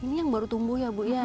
ini yang baru tumbuh ya bu ya